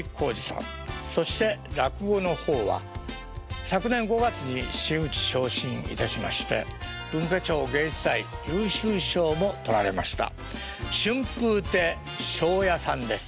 そして落語の方は昨年５月に真打昇進いたしまして文化庁芸術祭優秀賞も取られました春風亭昇也さんです。